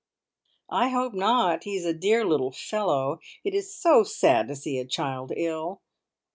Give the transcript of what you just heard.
"I hope not. He is a dear little fellow. It is so sad to see a child ill."